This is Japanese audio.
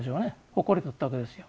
誇りだったわけですよ。